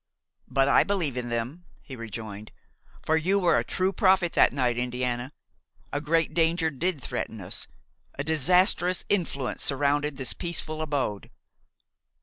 "But I believe in them," he rejoined, "for you were a true prophet that night, Indiana; a great danger did threaten us–a disastrous influence surrounded this peaceful abode."